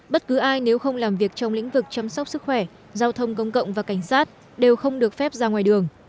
bất cứ ai nếu không làm việc trong lĩnh vực chăm sóc sức khỏe giao thông công cộng và cảnh sát đều không được phép ra ngoài đường